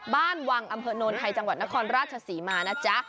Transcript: บ้านวังอำเภอโนนไทยจังหวัดนครราชศรีมานะจ๊ะ